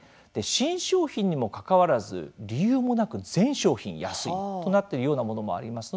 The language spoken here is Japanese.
新商品にもかかわらず理由もなく全商品安いとなっているようなものもあります。